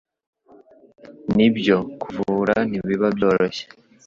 Ni byo kuvura ntibiba byoroshye